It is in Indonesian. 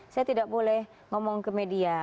saya tidak boleh ngomong ke media